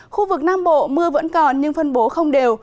khu vực nam bộ mưa vẫn còn nhưng phân bố không đều